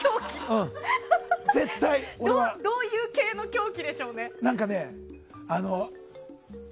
どういう系の狂気でしょうね？